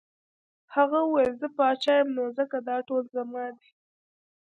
هغه وویل زه پاچا یم نو ځکه دا ټول زما دي.